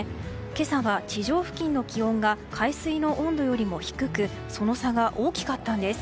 今朝は地上付近の気温が海水の温度より低くその差が大きかったんです。